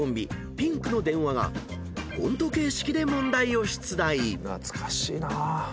ピンクの電話がコント形式で問題を出題］